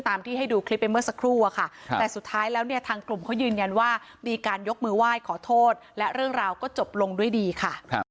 ที่ให้ดูคลิปไปเมื่อสักครู่อะค่ะแต่สุดท้ายแล้วเนี่ยทางกลุ่มเขายืนยันว่ามีการยกมือไหว้ขอโทษและเรื่องราวก็จบลงด้วยดีค่ะ